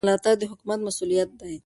د نجونو زده کړې ملاتړ د حکومت مسؤلیت دی.